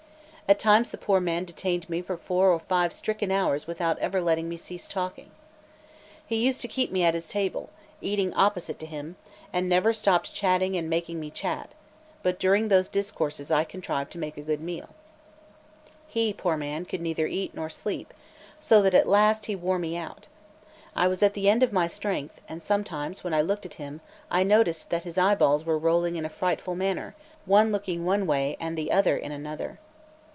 At times the poor man detained me for four or five stricken hours without ever letting me cease talking. He used to keep me at his table, eating opposite to him, and never stopped chatting and making me chat; but during those discourses I contrived to make a good meal. He, poor man, could neither eat nor sleep; so that at last he wore me out. I was at the end of my strength; and sometimes when I looked at him, I noticed that his eyeballs were rolling in a frightful manner, one looking one way and the other in another.